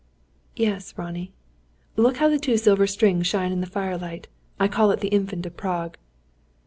"Yes, Ronnie." "Look how the two silver strings shine in the firelight. I call it the Infant of Prague."